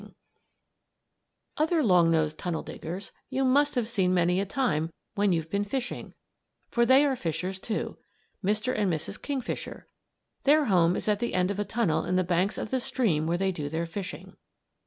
] Other long nosed tunnel diggers you must have seen many a time when you've been fishing, for they are fishers, too Mr. and Mrs. Kingfisher. Their home is at the end of a tunnel in the banks of the stream where they do their fishing.